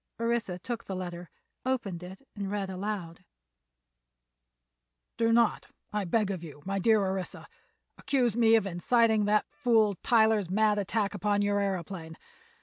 Orissa took the letter, opened it, and read aloud: "_Do not, I beg of you, my dear Orissa, accuse me of inciting that fool Tyler's mad attack upon your aëroplane.